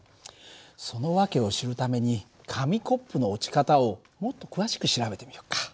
その訳を知るために紙コップの落ち方をもっと詳しく調べてみよっか。